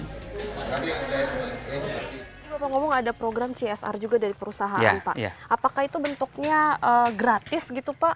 ini bapak ngomong ada program csr juga dari perusahaan pak apakah itu bentuknya gratis gitu pak